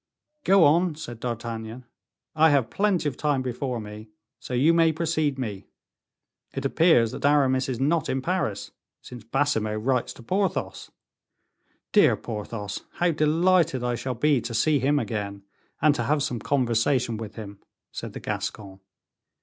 "Go on," said D'Artagnan, "I have plenty of time before me, so you may precede me. It appears that Aramis is not in Paris, since Baisemeaux writes to Porthos. Dear Porthos, how delighted I shall be to see him again, and to have some conversation with him!" said the Gascon.